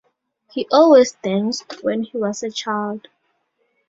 He always danced when he was a child.